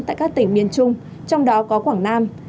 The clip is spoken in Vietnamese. tại các tỉnh miền trung trong đó có quảng nam